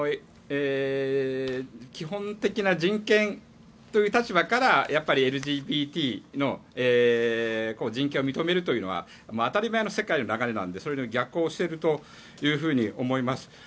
基本的な人権という立場からＬＧＢＴの人権を認めるというのは当たり前の世界の流れなのでそれに逆行していると思います。